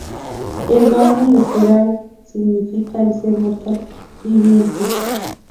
El nombre literalmente significa "El ser mortal viviente".